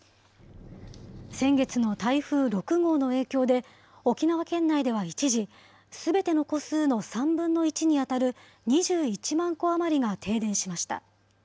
先月の台風６号の影響で、沖縄県内では一時、すべての戸数の３分の１に当たる２１万戸余りが停電しました。